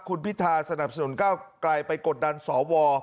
คุณพิธาสนับสนุนก้าวไกลไปกดดันสว